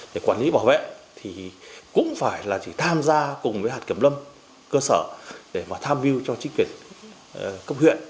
bản quản lý bảo vệ thì cũng phải là chỉ tham gia cùng với hạt kiểm lâm cơ sở để mà tham viêu cho chính quyền công huyện